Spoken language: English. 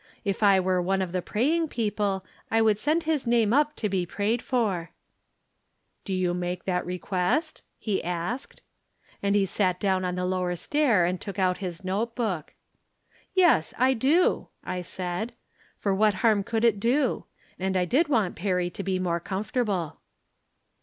If I were one of the praying people I would send his name up to be prayed "for." " Do you make that request ?" he asked. And he sat down on the lower stair and took out his note book. "Yes, I do," I said. For what harm could it do ? And I did want Perry to be more comfort able.